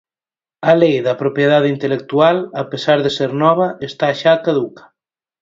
A Lei da propiedade intelectual, a pesar de ser nova, está xa caduca.